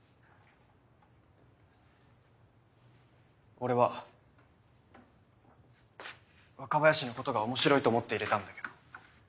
・俺は若林のことが面白いと思って入れたんだけど。